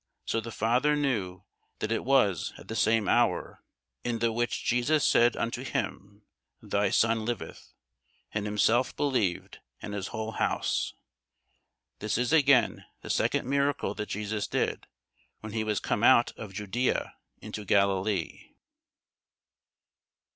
So the father knew that it was at the same hour, in the which Jesus said unto him, Thy son liveth: and himself believed, and his whole house. This is again the second miracle that Jesus did, when he was come out of Judæa into Galilee.